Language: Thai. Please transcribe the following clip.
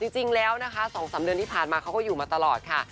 จริงแล้วนะคะ๒๓เดือนที่ผ่านมาเขาก็อยู่มาตลอดค่ะ